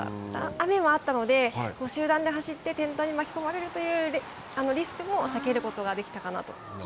雨もあったので、集団で走って転倒に巻き込まれるというリスクも避けることができたかなと。